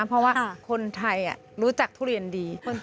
เพราะว่าคนไทยรู้จักทุเรียนดี